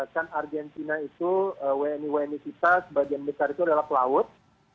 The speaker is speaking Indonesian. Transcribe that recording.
kan argentina itu wni wni kita sebagian besar itu adalah pelaut